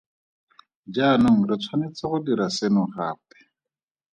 Jaanong re tshwanetse go dira seno gape.